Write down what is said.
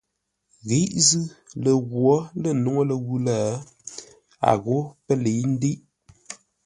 Ghíʼ zʉ́ lə̂ lə ghwǒ lə̂ nuŋú ləwʉ̂ lə̂, a ghó pə́ lə̌i ndə́iʼ.